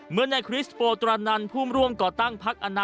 เมื่อนายคริสโปตราณันภูมิร่วมก่อตั้ง